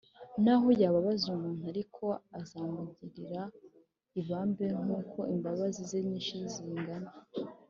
Naho yababaza umuntu ariko azamugirira ibambe, Nk’uko imbabazi ze nyinshi zingana.